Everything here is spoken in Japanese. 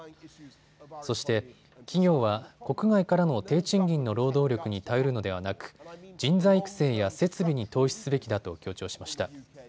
そして企業は国外からの低賃金の労働力に頼るのではなく人材育成や設備に投資すべきだと強調しました。